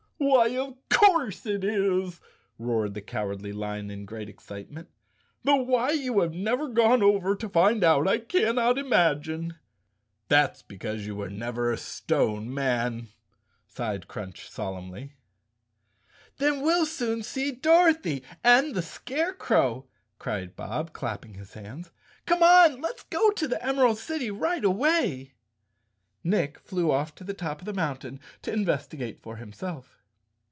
"Why, of course it is," roared the Cowardly Lion in great excitement, "though why you have never gone over to find out I cannot imagine!" "That's because you were never a stone man," sighed Crunch solemnly. "Then we'll soon see Dorothy and the Scarecrow!" cried Bob, clapping his hands. " Come on, let's go to 226 Chapter Seventeen the Emerald City right away." Nick flew off to the top of the mountain to investi¬ gate for himself.